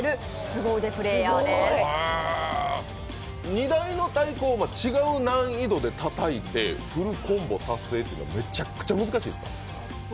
２台の太鼓を違うテンポでたたいてフルコンボ達成っていうのはめちゃくちゃ難しいんですか？